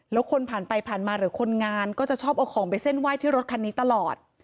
แล้วคนผ่านไปผ่านมาหรือคนงานก็จะชอบเอาของไปเส้นไหว้ที่รถคันนี้ตลอด